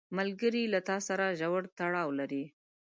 ملګری له تا سره ژور تړاو لري